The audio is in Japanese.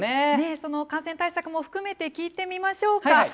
感染対策も含めて聞いてみましょうか。